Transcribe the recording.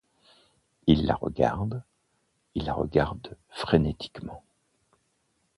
Il la regarde, il la regarde frénétiquement.